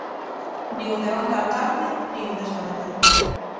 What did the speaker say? Nin o de onte á tarde, nin o desta mañá.